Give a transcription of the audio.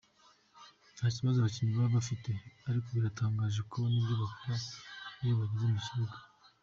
Nta kibazo abakinnyi baba bafite ariko biratangaje kubona ibyo bakora iyo bageze mu kibuga.